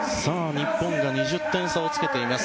日本、２０点差をつけています。